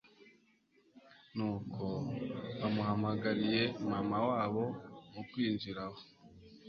Nuko bamuhamagariye Mama wabo…mukwinjira aho